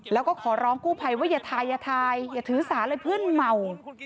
แล้วก็ขอร้องกู้ภัยว่าอย่าทายอย่าทายอย่าถือสาเลยเพื่อนเมา